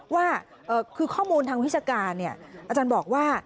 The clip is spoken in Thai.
ว่าคือข้อมูลทางวิชาการอาจารย์บอกว่า